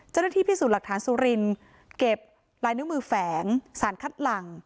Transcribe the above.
เจ้าหน้าที่พิสูจน์หลักฐานสุรินเก็บลายนิ้วมือแฝงสารคัดหลัง